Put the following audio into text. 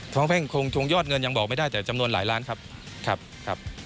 แพ่งคงทวงยอดเงินยังบอกไม่ได้แต่จำนวนหลายล้านครับครับ